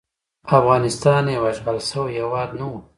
افغانستان یو اشغال شوی هیواد نه وو.